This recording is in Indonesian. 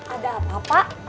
ada apa pak